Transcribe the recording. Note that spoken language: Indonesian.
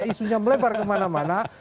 isunya melebar kemana mana